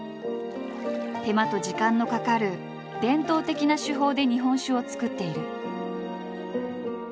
手間と時間のかかる伝統的な手法で日本酒を造っている。